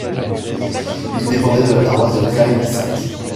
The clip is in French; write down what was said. Il dépendait de la paroisse de Klein St.